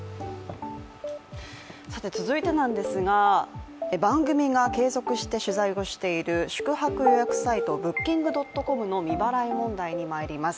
続いてなんですが、番組が継続して取材をしている宿泊予約サイト・ブッキングドットコムの未払い問題に入ります。